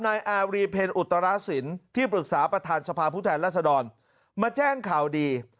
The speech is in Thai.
นายอารีเพลย์อุตราศิลป์ที่ปรึกษาประธานสภาพุทธแหลศดรมาแจ้งข่าวดี